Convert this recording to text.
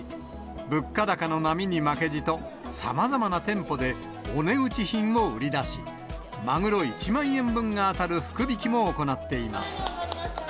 物価高の波に負けじと、さまざまな店舗でお値打ち品を売り出し、マグロ１万円分が当たる福引きも行っています。